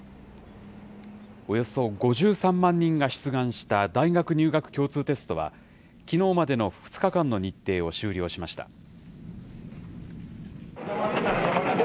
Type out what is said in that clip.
およそ５３万人が出願した大学入学共通テストは、きのうまでの２日間の日程を終了しました。